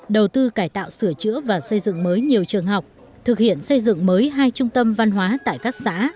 đầu tư cải tạo sửa chữa và xây dựng mới nhiều trường học thực hiện xây dựng mới hai trung tâm văn hóa tại các xã